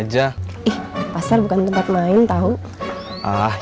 udah gak usah ngomongin dia